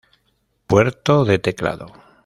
Puerto de teclado.